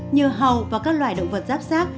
nhờ hầu và các loài động vật rác rác